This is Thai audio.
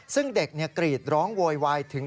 ซึ่งเด็กกรีดร้องโวยวายถึง